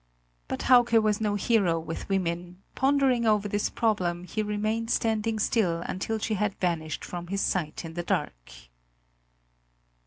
But Hauke was no hero with women; pondering over this problem, he remained standing still until she had vanished from his sight in the dark.